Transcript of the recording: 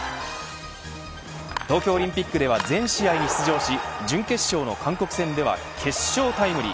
東京オリンピックでは全試合に出場し準決勝の韓国戦では決勝タイムリー。